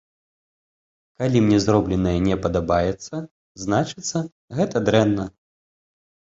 Калі мне зробленае не падабаецца, значыцца, гэта дрэнна.